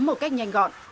một cách nhanh gọn